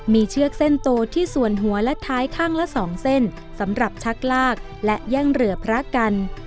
มีเชือกเส้นโตที่ส่วนหัวและท้ายข้างละ๒เส้นสำหรับชักลากและแย่งเรือพระกัน